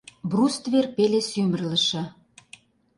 Бруствер пеле сӱмырлышӧ.